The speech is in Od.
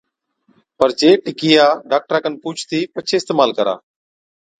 پَر جي ٽِڪِيا ڊاڪٽرا کن پُوڇتِي پڇي اِستعمال ڪرا،